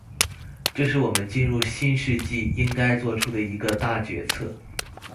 这是我们进入新世纪应该作出的一个大决策。